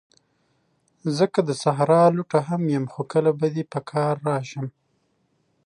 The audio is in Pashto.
زه که د صحرا لوټه هم یم، خو کله به دي په کار شم